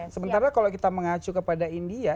sementara kalau kita mengacu kepada india